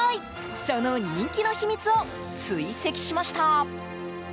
その人気の秘密を追跡しました。